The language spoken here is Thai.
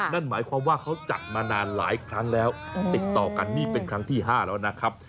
นั่นหมายความว่าเขาจัดมานานหลายครั้งแล้วติดต่อกันนี่เป็นครั้งที่๕แล้วนะครับ